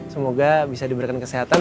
semoga bisa diberikan kesehatan